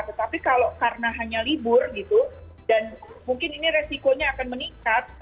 tetapi kalau karena hanya libur gitu dan mungkin ini resikonya akan meningkat